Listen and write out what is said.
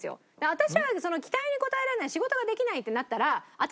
私は期待に応えられない仕事ができないってなったら。